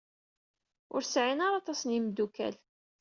Ur sɛin ara aṭas n yimeddukal.